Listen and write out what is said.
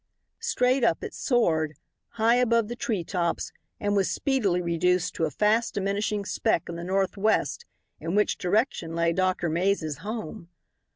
Straight up it soared, high above the tree tops, and was speedily reduced to a fast diminishing speck in the northwest in which direction lay Doctor Mays' home.